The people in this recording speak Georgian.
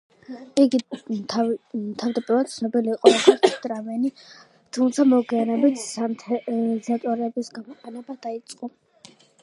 იგი თავდაპირველად ცნობილი იყო, როგორც დრამერი, თუმცა მოგვიანებით სინთეზატორების გამოყენება დაიწყო.